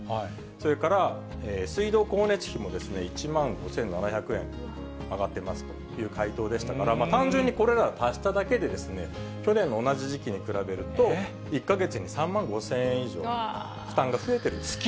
それから水道・光熱費も１万５７００円上がってますという回答でしたから、単純にこれら足しただけで、去年の同じ時期に比べると、１か月に３万５０００円以上、負担が増えてるんです。